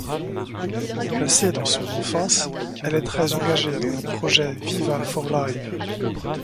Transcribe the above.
Placée dans son enfance, elle est très engagée dans le projet Viva For Live.